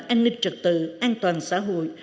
an ninh trật tự an toàn xã hội